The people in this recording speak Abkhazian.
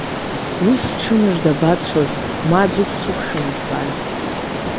Уи сҽы мыжда абацоз, ма аӡәы дсықәшәом избаз.